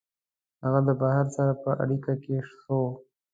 هغه د بهر سره په اړیکه کي سو